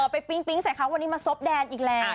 ปิ๊งใส่เขาวันนี้มาซบแดนอีกแล้ว